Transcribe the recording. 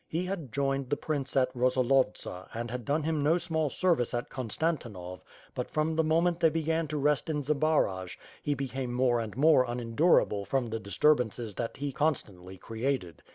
He had joined the prince at Rosolovtsa and had done him ixo small service at. Konstantinov; but, from the moment they began to rest in Zbaraj, h e became more and mare unendurable from the disturbances that he con stantly created.